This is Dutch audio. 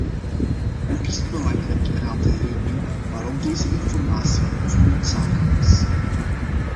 Ook is het belangrijk eraan te herinneren waarom deze informatie zo noodzakelijk is.